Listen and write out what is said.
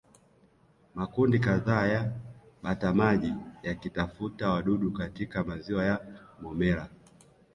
Makundi kadhaa ya batamaji yakitafuta wadudu katika maziwa ya Momella